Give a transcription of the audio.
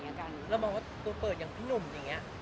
เราก็ตัวเปิดอย่างพี่หนุ่มอย่างเงี้ย